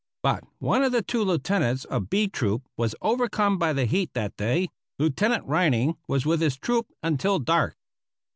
But one of the two lieutenants of B troop was overcome by the heat that day; Lieutenant Rynning was with his troop until dark.